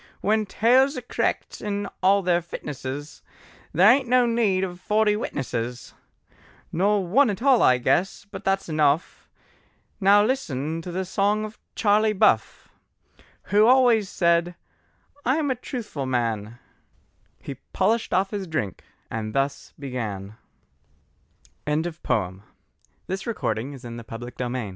When tales are c'rect in all their fitnesses, There ain't no need of forty witnesses, Nor one at all I guess, but that's enough; Now listen to the song of 'Charley Buff,' Who always said, 'I am a truthful man:'" He polished off his drink and thus began: CHARLEY BUFF Oh Charley Buff was his par